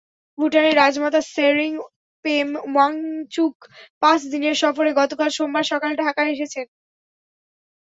ভুটানের রাজমাতা শেরিং পেম ওয়াংচুক পাঁচ দিনের সফরে গতকাল সোমবার সকালে ঢাকায় এসেছেন।